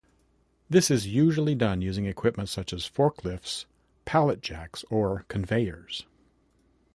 This is usually done using equipment such as forklifts, pallet jacks, or conveyors.